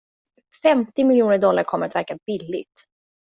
Femtio miljoner dollar kommer att verka billigt.